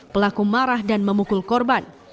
pelaku marah dan memukul korban